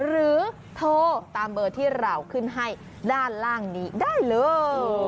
หรือโทรตามเบอร์ที่เราขึ้นให้ด้านล่างนี้ได้เลย